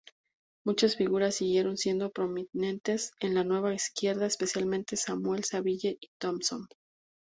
Muchas figuras siguieron siendo prominentes en la Nueva Izquierda, especialmente Samuel, Saville y Thompson.